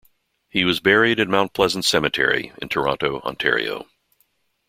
He was buried at Mount Pleasant Cemetery in Toronto, Ontario.